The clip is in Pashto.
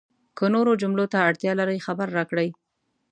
که نورو جملو ته اړتیا لرئ، خبر راکړئ!